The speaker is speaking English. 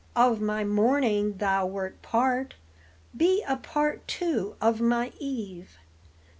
Of my morning thou wert part; Be a part too of my eve.